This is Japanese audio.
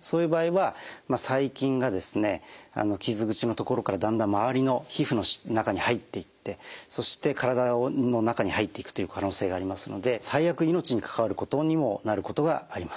そういう場合は細菌が傷口の所からだんだん周りの皮膚の中に入っていってそして体の中に入っていくという可能性がありますので最悪命にかかわることにもなることがあります。